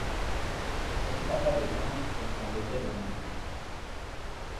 Quand on n’a pas l’Olympe, on prend l’hôtel de Rambouillet.